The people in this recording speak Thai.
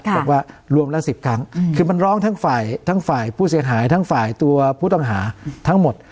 บอกว่ารวมละ๑๐ครั้งคือมันร้องทั้งฝ่ายทั้งฝ่ายผู้เสียหายทั้งฝ่ายตัวผู้ต้องหาทั้งหมด